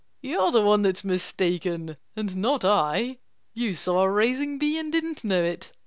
"You are the one that's mistaken and not I! You saw a raising bee and didn't know it!